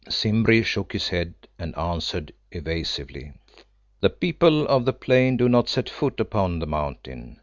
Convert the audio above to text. Simbri shook his head and answered evasively. "The people of the Plain do not set foot upon the Mountain.